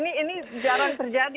ini jarang terjadi